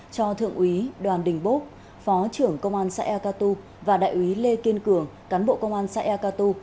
cho thượng úy đoàn đình bốc phó trưởng công an xã ea ca tu và đại úy lê kiên cường cán bộ công an xã ea ca tu